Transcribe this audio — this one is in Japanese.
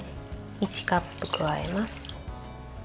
１カップ加えます。